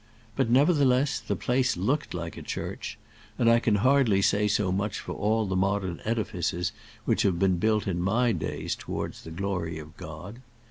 But, nevertheless, the place looked like a church, and I can hardly say so much for all the modern edifices which have been built in my days towards the glory of God.